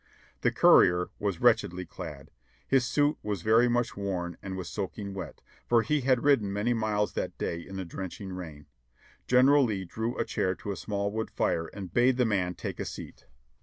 The courier was wretchedly clad. His suit was very much worn and was soaking wet, for he had ridden many miles that day in the drenching rain. General Lee drew a chair to a small wood fire and bade the man take a seat.